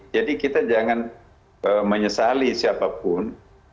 jadi kita jangan menyesali siapapun